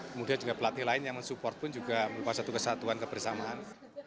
kemudian juga pelatih lain yang mensupport pun juga merupakan satu kesatuan kebersamaan